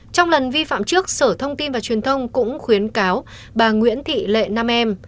trong lần vi phạm trước sở thông tin và truyền thông cũng khuyến cáo bà nguyễn thị lệ nam em